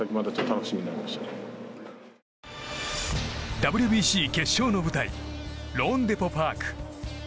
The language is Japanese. ＷＢＣ決勝の舞台ローンデポ・パーク。